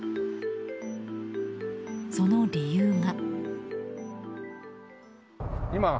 その理由が。